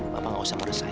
bapak gak usah meresah ya